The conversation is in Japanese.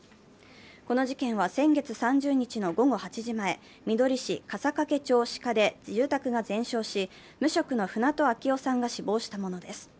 この事件は先月３０日の午後８時前、みどり市笠懸町鹿で住宅が全焼し無職の船戸秋雄さんが死亡したものです。